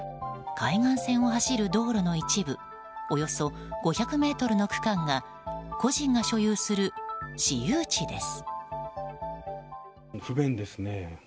海岸線を走る道路の一部およそ５００ｍの区間が個人が所有する私有地です。